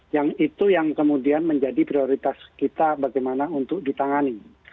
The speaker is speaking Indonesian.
yang itu yang kemudian menjadi prioritas kita bagaimana untuk ditangani